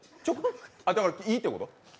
だから、いいってこと？